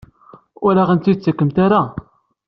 Ur aɣ-ten-id-tettakemt ara?